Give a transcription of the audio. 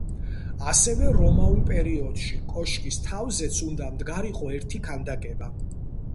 ასევე, რომაულ პერიოდში, კოშკის თავზეც უნდა მდგარიყო ერთი ქანდაკება.